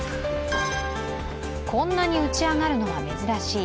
こんなに打ちあがるのは珍しい。